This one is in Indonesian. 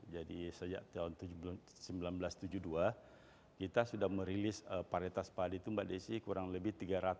jadi sejak tahun seribu sembilan ratus tujuh puluh dua kita sudah merilis varietas padi itu mbak desi kurang lebih tiga ratus delapan